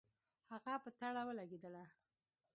هغه په تړه ولګېدله.